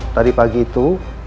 tadi pagi itu